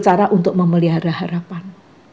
cara untuk memelihara harapan